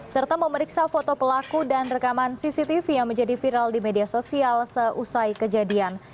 serta memeriksa foto pelaku dan rekaman cctv yang menjadi viral di media sosial seusai kejadian